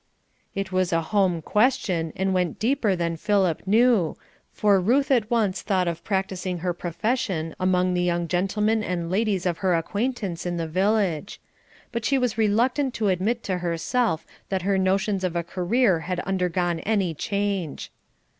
It was a home question, and went deeper than Philip knew, for Ruth at once thought of practicing her profession among the young gentlemen and ladies of her acquaintance in the village; but she was reluctant to admit to herself that her notions of a career had undergone any change.